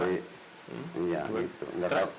iya gitu gak tau